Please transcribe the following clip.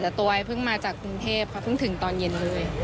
แต่ตัวไอเพิ่งมาจากกรุงเทพค่ะเพิ่งถึงตอนเย็นเลย